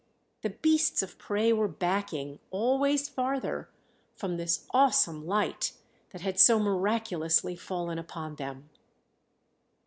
The beasts of prey were backing, always farther, from this awesome light that had so miraculously fallen upon them.